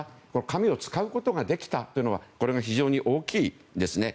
紙を使うことができたというのがこれが非常に大きいんですね。